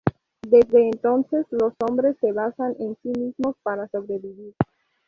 Desde entonces, los hombres se basan en sí mismos para sobrevivir.